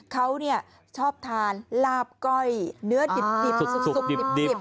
เขาชอบทานลาบก้อยเนื้อดิบสุกดิบ